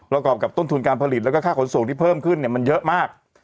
กรอบกับต้นทุนการผลิตแล้วก็ค่าขนส่งที่เพิ่มขึ้นมันเยอะมาก